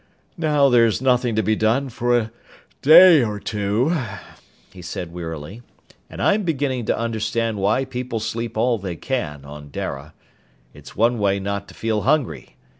"Now there's nothing to be done for a day or two," he said wearily, "and I'm beginning to understand why people sleep all they can, on Dara. It's one way not to feel hungry.